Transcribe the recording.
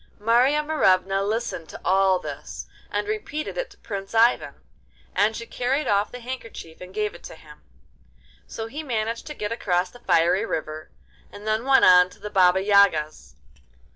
Marya Morevna listened to all this, and repeated it to Prince Ivan, and she carried off the handkerchief and gave it to him. So he managed to get across the fiery river, and then went on to the Baba Yaga's.